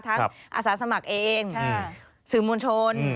อาสาสมัครเองสื่อมวลชน